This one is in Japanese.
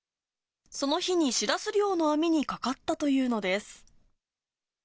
その日に、シラス漁の網にかかったというのです。